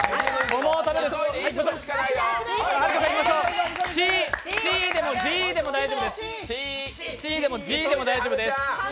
「し」でも「じ」でも大丈夫です。